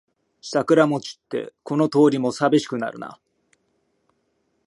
桜も散ってこの通りもさびしくなるな